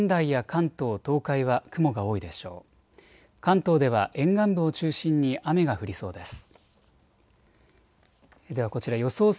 関東では沿岸部を中心に雨が降りそうです。